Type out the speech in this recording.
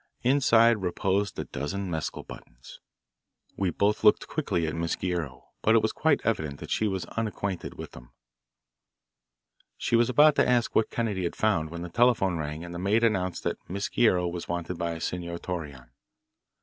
Inside reposed a dozen mescal buttons. We both looked quickly at Miss Guerrero, but it was quite evident that she was unacquainted with them. She was about to ask what Kennedy had found when the telephone rang and the maid announced that Miss Guerrero was wanted by Senor Torreon.